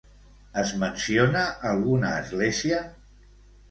Es menciona alguna església?